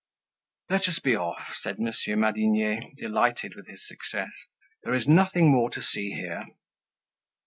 "Let us be off," said Monsieur Madinier, delighted with his success. "There is nothing more to see here."